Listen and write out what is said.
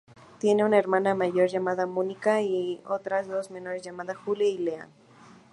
Tiene una hermana mayor llamada Monika y otras dos menores llamadas Julia y Leah.